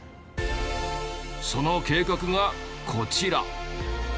その計画がこちら。